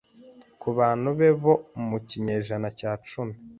kubantu be bo mu kinyejana cya cumi